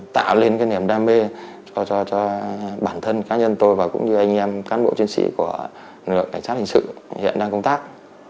tạo lên cái niềm đam mê cho bản thân cá nhân tôi và cũng như anh em cán bộ chiến sĩ của lực lượng cảnh sát hình sự hiện đang công tác